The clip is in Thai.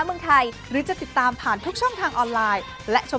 เผื่อฉันด้วยนะด้วยนะ